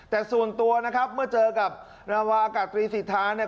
แต่ส่วนตัวนะครับเมื่อเจอกับนวากตรีสิทธาธิ